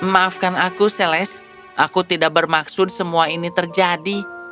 maafkan aku seles aku tidak bermaksud semua ini terjadi